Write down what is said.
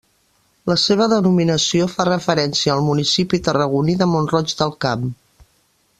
La seva denominació fa referència al municipi tarragoní de Mont-roig del Camp.